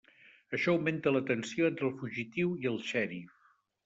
Això augmenta la tensió entre el fugitiu i el xèrif.